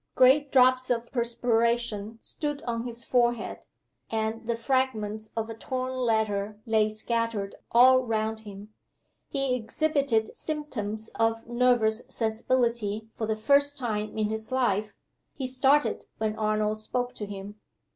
Great drops of perspiration stood on his forehead, and the fragments of a torn letter lay scattered all round him. He exhibited symptoms of nervous sensibility for the first time in his life he started when Arnold spoke to him.